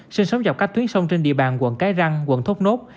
sinh sống dọc các tuyến sông trên địa bàn quận cái răng quận thốt nốt